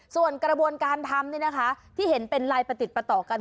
ส่วนกระบวนการทำนี่นะคะที่เห็นเป็นลายประติดประต่อกัน